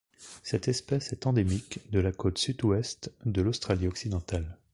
Cette espèce est endémique de la côte Sud-Ouest de l'Australie-Occidentale.